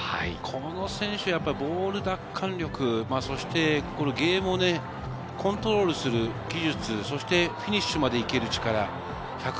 この選手はボール奪還力、そしてゲームをコントロールする技術、そしてフィニッシュまでいける力。